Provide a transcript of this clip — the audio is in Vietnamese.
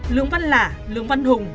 lướng văn lả lướng văn hùng